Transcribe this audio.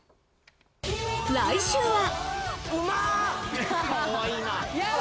来週は。